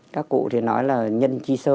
các cụ thì nói là nhân chi sơ